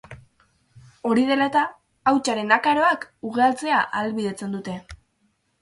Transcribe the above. Hori dela eta, hautsaren akaroak ugaltzea ahalbidetzen dute.